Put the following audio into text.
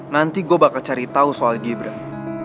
nanti gue bakal cari tahu soal gibran